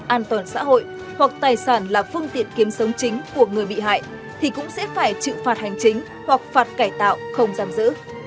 an toàn xã hội hoặc tài sản là phương tiện kiếm sống chính của người bị hại thì cũng sẽ phải chịu phạt hành chính hoặc phạt cải tạo không giam giữ